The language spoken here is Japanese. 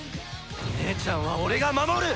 姉ちゃんは俺が守る！